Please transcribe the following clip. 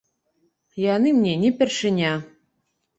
Яны мне не першыня.